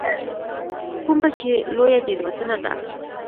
کومه چې لویه تېروتنه ده.